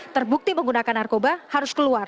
terbukti menggunakan narkoba harus keluar